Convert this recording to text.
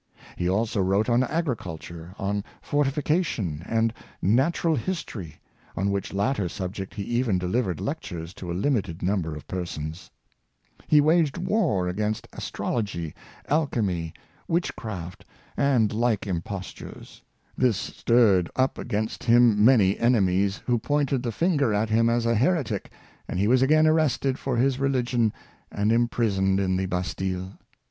He also wrote on agriculture, on fortification, and natural history, on which latter subject he even delivered lectures to a limited number of persons. He waged war against His IndomUahle Spirit, 203 astrology, alchemy, witchcraft, and like impostures. This stirred up against him many enemies, who pointed the finger at him as a heretic, and he was again arrested for his religion and imprisoned in the Bastile.